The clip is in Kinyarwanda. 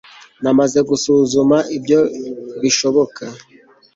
namaze gusuzuma ibyo bishoboka